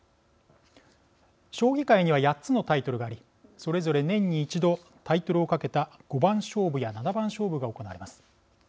将棋界には８つのタイトルがありそれぞれ年に一度タイトルを懸けた五番勝負や七番勝負が行われます。